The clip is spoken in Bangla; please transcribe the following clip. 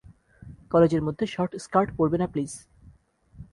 কলেজের মধ্যে শর্ট স্কার্ট পরবে না প্লিজ।